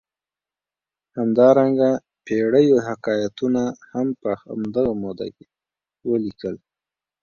همدارنګه پېړیو حکایتونه هم په همدغه موده کې ولیکل.